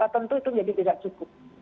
tentu itu menjadi tidak cukup